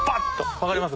わかります？